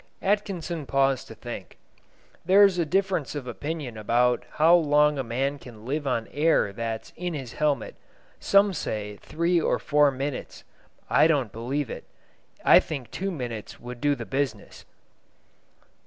Atkinson paused to think. "There's a difference of opinion about how long a man can live on the air that's in his helmet. Some say three or four minutes. I don't believe it. I think two minutes would do the business."